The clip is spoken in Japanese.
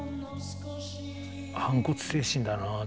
反骨精神だなと。